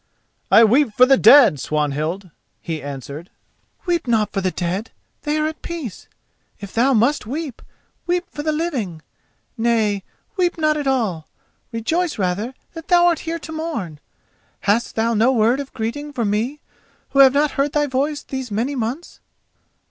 "I weep for the dead, Swanhild," he answered. "Weep not for the dead—they are at peace; if thou must weep, weep for the living. Nay, weep not at all; rejoice rather that thou art here to mourn. Hast thou no word of greeting for me who have not heard thy voice these many months?"